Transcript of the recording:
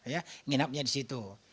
ya nginapnya di situ